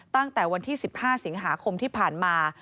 ตั้งแต่วันที่๑๕สิงหาคมที่ผ่านมา